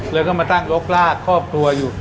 แล้วก็มาตั้งรกรากครอบครัวอยู่